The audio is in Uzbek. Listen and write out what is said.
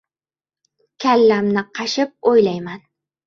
— Kallamni qashib o‘ylayman.